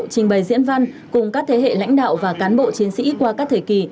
trình bày diễn văn cùng các thế hệ lãnh đạo và cán bộ chiến sĩ qua các thời kỳ